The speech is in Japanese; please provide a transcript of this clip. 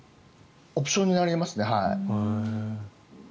オプションになりますね。